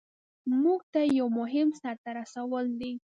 مونږ ته یو مهم سر ته رسول دي.